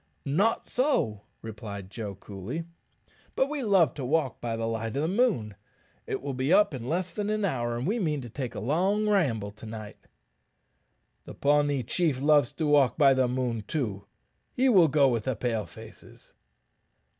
"Not so," replied Joe, coolly; "but we love to walk by the light of the moon. It will be up in less than an hour, and we mean to take a long ramble to night." "The Pawnee chief loves to walk by the moon, too; he will go with the Pale faces."